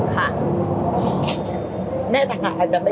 ค่ะ